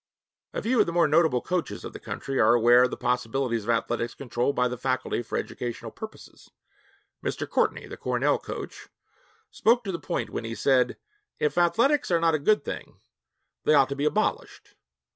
A few of the more notable coaches of the country are aware of the possibilities of athletics controlled by the faculty for educational purposes. Mr. Courtney, the Cornell coach, spoke to the point when he said, 'If athletics are not a good thing, they ought to be abolished.